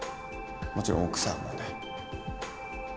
もちろん奥さんもね。